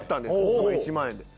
その１万円で。